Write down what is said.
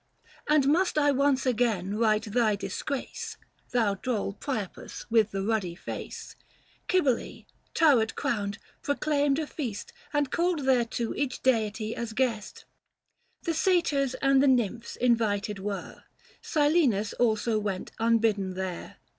And must I once again write thy disgrace, 380 Thou droll Priapus with the ruddy face ? Cybele, turret crowned, proclaimed a feast, And called thereto each deity as guest. The satyrs and the nymphs invited were, Silenus also went unbidden there.